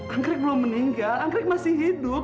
angkrik belum meninggal anggrek masih hidup